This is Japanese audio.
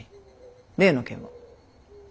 例の件は？